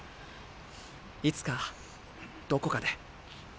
いつかどこかで。